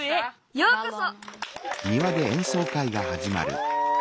ようこそ！